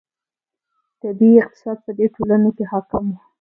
طبیعي اقتصاد په دې ټولنو کې حاکم و.